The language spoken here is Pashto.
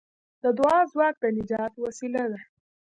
د دعا ځواک د نجات وسیله ده.